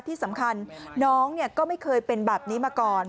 ที่สำคัญน้องก็ไม่เคยเป็นแบบนี้มาก่อน